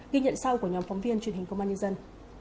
ghi nhận sau của nhóm phóng viên truyền hình công an nhân dân